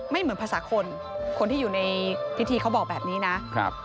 เหมือนภาษาคนคนที่อยู่ในพิธีเขาบอกแบบนี้นะครับ